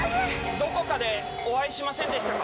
どこかでお会いしませんでしたか？